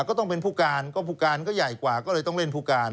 ก็ต้องเป็นผู้การก็ผู้การก็ใหญ่กว่าก็เลยต้องเล่นผู้การ